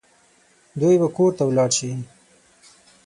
دوی به کور ته ولاړ شي